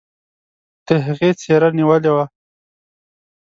د هغې څيره نيولې وه.